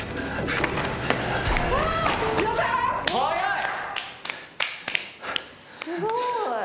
すごい。